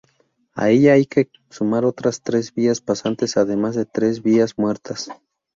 A ella hay que sumar otras tres vías pasantes además de tres vías muertas.